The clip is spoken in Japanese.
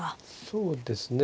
そうですね。